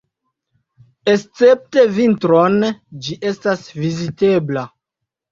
Escepte vintron ĝi estas vizitebla.